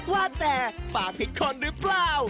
ว่าแต่ฝากผิดคนหรือเปล่า